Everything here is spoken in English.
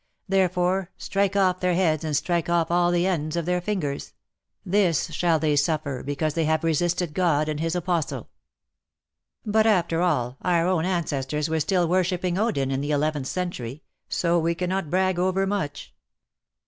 Therefore, strike off their heads, and strike off all the ends of their fingers ; this shall they suffer, because they have resisted God and his apostle." But after all, our own ancestors were still worshipping Odin in the eleventh century, so we cannot brag overmuch.